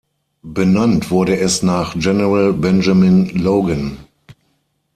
Benannt wurde es nach General Benjamin Logan.